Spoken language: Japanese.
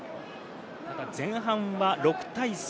ただ前半は６対３。